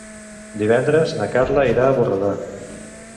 Divendres na Carla irà a Borredà.